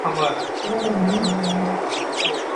মানব মস্তিষ্ক নিয়ন্ত্রণের বিশেষ এক্সপেরিমেন্ট করছিলাম আমরা।